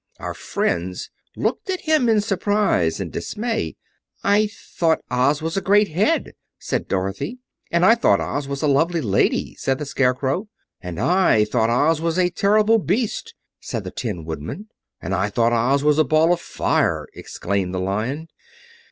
Our friends looked at him in surprise and dismay. "I thought Oz was a great Head," said Dorothy. "And I thought Oz was a lovely Lady," said the Scarecrow. "And I thought Oz was a terrible Beast," said the Tin Woodman. "And I thought Oz was a Ball of Fire," exclaimed the Lion.